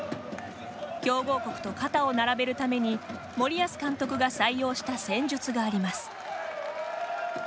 強豪国と肩を並べるために森保監督が採用した戦術があります。